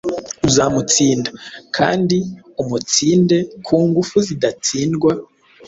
uzamutsinda, kandi umutsinde ku ngufu zidatsindwa,